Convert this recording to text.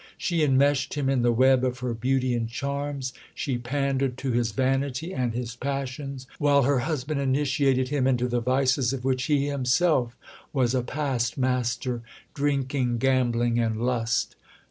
She enmeshed him in the web of her beauty and charms; she pandered to his vanity and his passions; while her husband initiated him into the vices of which he himself was a past master drinking, gambling, and lust.